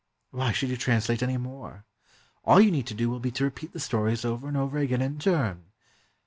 Why should you translate any more? All you need to do will be to repeat the stories over and over again in turn.'